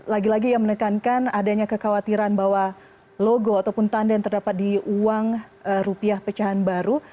lagi lagi ia menekankan adanya kekhawatiran bahwa logo ataupun tanda yang terdapat di uang rupiah pecahan baru